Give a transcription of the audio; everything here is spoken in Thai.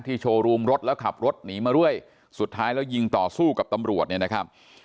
โชว์รูมรถแล้วขับรถหนีมาด้วยสุดท้ายแล้วยิงต่อสู้กับตำรวจเนี่ยนะครับ